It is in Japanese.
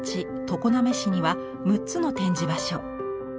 常滑市には６つの展示場所。